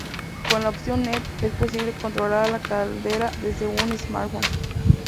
Con la Opción Net es posible controlar la caldera desde un smartphone.